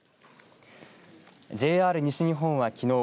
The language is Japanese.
ＪＲ西日本はきのう